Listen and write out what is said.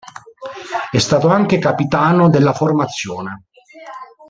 È stato anche capitano della formazione.